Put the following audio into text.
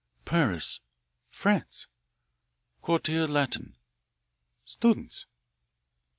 "Paris." "France." "Quartier Latin." "Students."